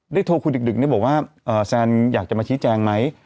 โทรคุณดึกบอกว่าแซนอยากจะมาชี้แจงไหม